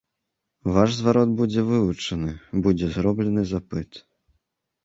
Ваш зварот будзе вывучаны, будзе зроблены запыт.